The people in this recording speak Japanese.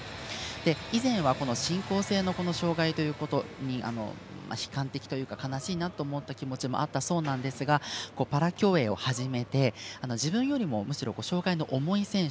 以前は進行性の障がいということに悲観的というか悲しいなと思った気持ちもあったそうなんですがパラ競泳を始めて自分よりもむしろ障がいの重い選手